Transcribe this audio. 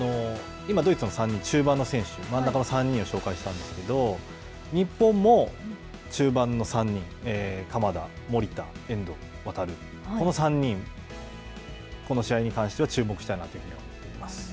今、ドイツの３人、中盤の選手、真ん中の３人を紹介したんですけど、日本も、中盤の３人、鎌田、守田、遠藤航、この３人、この試合に関しては注目したいなと思っています。